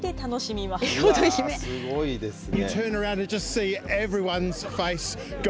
すごいですね。